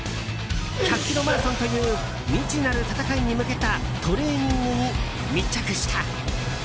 １００ｋｍマラソンという未知なる戦いに向けたトレーニングに密着した。